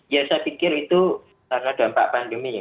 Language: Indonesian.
ya saya pikir itu karena dampak pandemi ya